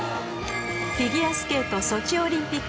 フィギュアスケートソチオリンピック